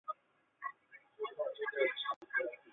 他曾担任耶路撒冷希伯来大学的校长。